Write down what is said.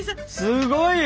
すごいよ！